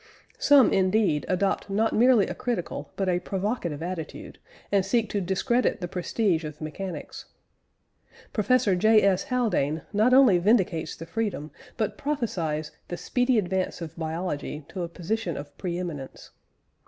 Some indeed adopt not merely a critical, but a provocative attitude, and seek to discredit the prestige of mechanics. Professor J. S. Haldane not only vindicates the freedom, but prophesies the speedy advance of biology to a position of pre eminence.